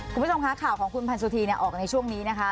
คุณผู้ชมคะข่าวของคุณพันธุธีออกในช่วงนี้นะคะ